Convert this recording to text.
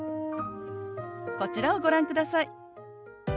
こちらをご覧ください。